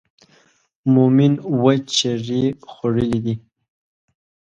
مومن اووه چړې خوړلې دي.